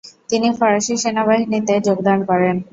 তিনি ফরাসি সেনাবাহিনীতে যোগদান করেন।